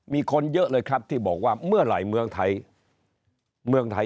มีคนเยอะเลยครับที่บอกว่าเมื่อไหร่เมืองไทยเมืองไทย